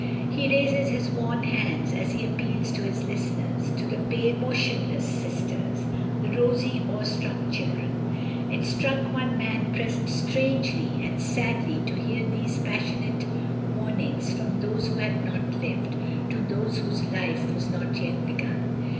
He raises his worn hands as he appeals to his listeners — to the pale motionless sisters, the rosy awe struck children. It struck one man present strangely and sadly to hear these passionate warnings from those who had not lived, to those whose life was not yet begun.